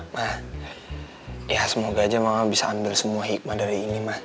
nah ya semoga aja mama bisa ambil semua hikmah dari ini mah